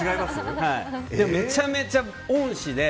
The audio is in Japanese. でも、めちゃめちゃ恩師で。